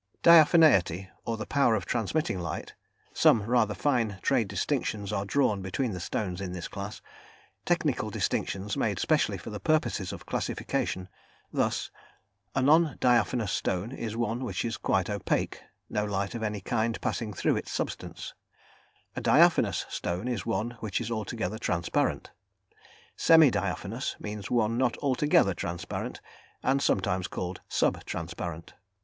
Diaphaneity, or the power of transmitting light: some rather fine trade distinctions are drawn between the stones in this class, technical distinctions made specially for purposes of classification, thus: a "non diaphanous" stone is one which is quite opaque, no light of any kind passing through its substance; a "diaphanous" stone is one which is altogether transparent; "semi diaphanous" means one not altogether transparent, and sometimes called "sub transparent."